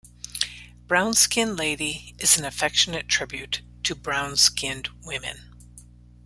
"Brown-Skin Lady" is an affectionate tribute to brown-skinned women.